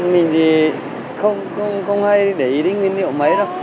mình thì không hay để ý đi nguyên liệu mấy đâu